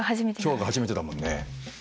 今日が初めてだもんね。